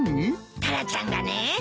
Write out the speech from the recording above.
タラちゃんがね。